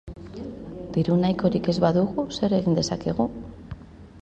Diru nahikorik ez badugu, zer egin dezakegu?